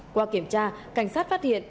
qua kiểm tra cảnh sát phát hiện